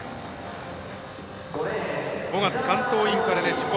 ５月、関東インカレで自己